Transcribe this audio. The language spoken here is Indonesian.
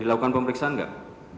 dilakukan pemeriksaan enggak